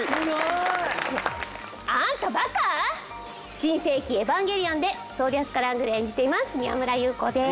『新世紀エヴァンゲリオン』で惣流・アスカ・ラングレーを演じています宮村優子です。